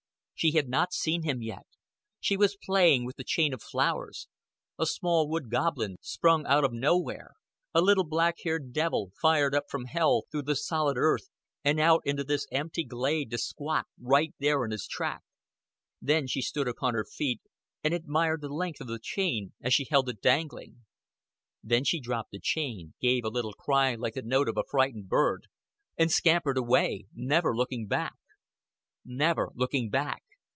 She had not seen him yet. She was playing with the chain of flowers a small wood goblin sprung out of nowhere, a little black haired devil fired up from hell through the solid earth and out into this empty glade to squat there right in his track. Then she stood upon her feet, and admired the length of the chain as she held it dangling. Then she dropped the chain, gave a little cry like the note of a frightened bird, and scampered away never looking back. Never looking back.